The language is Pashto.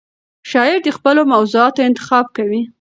شاعر د خپلو موضوعاتو انتخاب کوي.